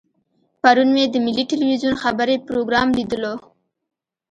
پرون مې د ملي ټلویزیون خبري پروګرام لیدلو.